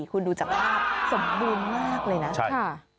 คุณดูจากภาพสมบูรณ์มากเลยนะ